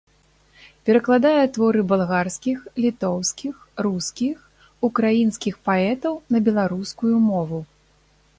Перакладае творы балгарскіх, літоўскіх, рускіх, украінскіх паэтаў на беларускую мову.